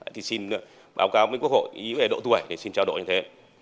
thì xin báo cáo với quốc hội ý về độ tuổi để xin trao đổi như thế